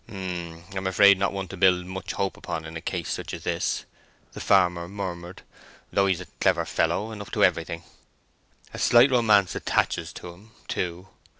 "H'm—I'm afraid not one to build much hope upon in such a case as this," the farmer murmured, "though he's a clever fellow, and up to everything. A slight romance attaches to him, too.